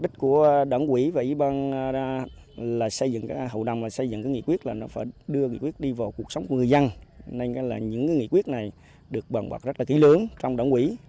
từ sau chỉ đạo đó